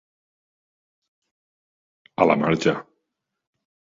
A la marxa.